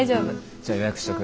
じゃあ予約しとく。